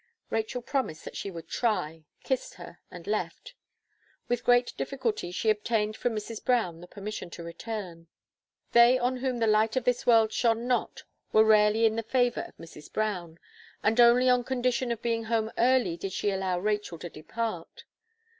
Rachel promised that she would try, kissed her and left. With great difficulty she obtained from Mrs. Brown the permission to return. They on whom the light of this world shone not, were rarely in the favour of Mrs. Brown. And only on condition of being home early did she allow Rachel to depart.